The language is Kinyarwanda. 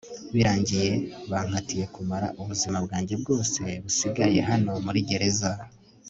birangiye bankatiye kumara ubuzima bwanjye bwose busigaye hano muri gereza